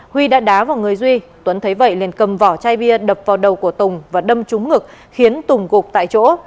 huy đã đá vào người duy tuấn thấy vậy liền cầm vỏ chai bia đập vào đầu của tùng và đâm trúng ngực khiến tùng gục tại chỗ